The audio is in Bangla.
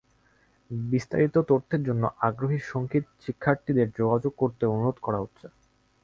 বিস্তারিত তথ্যের জন্য আগ্রহী সংগীত শিক্ষার্থীদের যোগাযোগ করতে অনুরোধ করা যাচ্ছে।